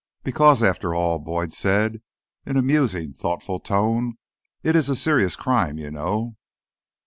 "Because, after all," Boyd said in a musing, thoughtful tone, "it is a serious crime, you know."